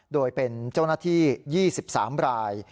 โดยเป็นเจ้าหน้าที่๒๓ราย